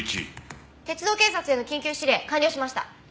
鉄道警察への緊急指令完了しました。